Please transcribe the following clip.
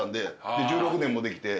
１６年もできて。